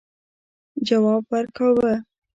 جواب ورکاوه.